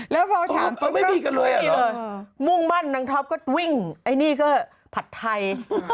แล้วพอถามมุ่งมั่นนางท็อปก็วิ่งไอ้นี่ก็ผัดไทย